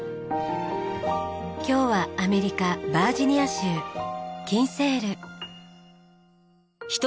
今日はアメリカバージニア州キンセール。